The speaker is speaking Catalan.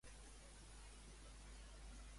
Aconsegueixen retornar el Tiranosaure al seu hàbitat?